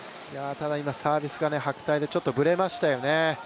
今、サービスが白帯でちょっとブレましたよね。